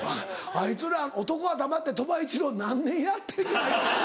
あいつら「男は黙って鳥羽一郎」何年やってんねん。